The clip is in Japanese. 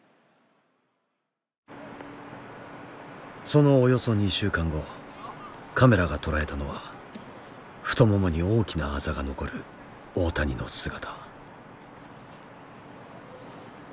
そのおよそ２週間後カメラが捉えたのは太ももに大きなアザが残る大谷の姿。